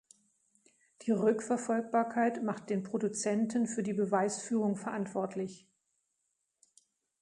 Die Rückverfolgbarkeit macht den Produzenten für die Beweisführung verantwortlich.